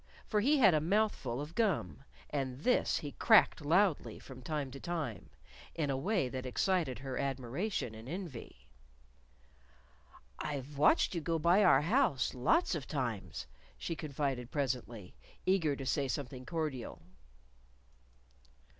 For he had a mouthful of gum, and this he cracked loudly from time to time in a way that excited her admiration and envy. "I've watched you go by our house lots of times," she confided presently, eager to say something cordial.